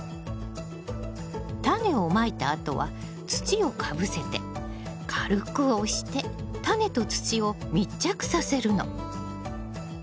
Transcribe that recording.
タネをまいたあとは土をかぶせて軽く押してタネと土を密着させるの。